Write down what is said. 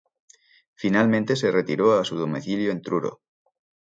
Finalmente se retiró a su domicilio en Truro.